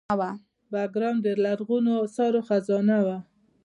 بګرام د لرغونو اثارو خزانه وه